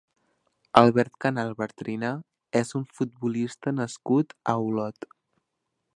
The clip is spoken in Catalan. Albert Canal Bartrina és un futbolista nascut a Olot.